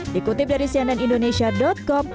dikutip dari cnnindonesia com